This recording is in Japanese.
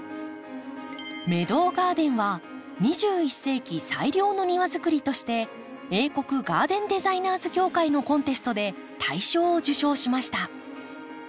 メドウガーデンは２１世紀最良の庭づくりとして英国ガーデンデザイナーズ協会のコンテストで大賞を受賞しました。